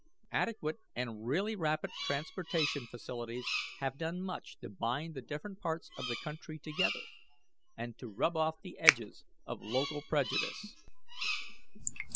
"Adequate and really rapid transportation facilities have done much to bind the different parts of the country together, and to rub off the edges of local prejudice.